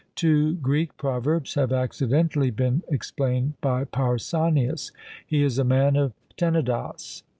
Two Greek proverbs have accidentally been explained by Pausanias: "He is a man of Tenedos!"